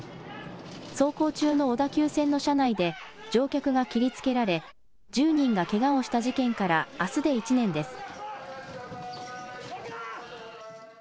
走行中の小田急線の車内で、乗客が切りつけられ、１０人がけがをした事件からあすで１年です。